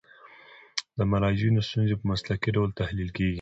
د مراجعینو ستونزې په مسلکي ډول تحلیل کیږي.